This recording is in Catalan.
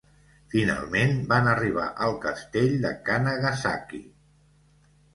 Finalment van arribar al castell de Kanagasaki.